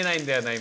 今